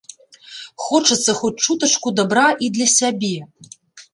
Хочацца хоць чутачку дабра і для сябе.